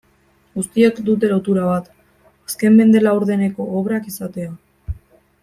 Guztiek dute lotura bat, azken mende laurdeneko obrak izatea.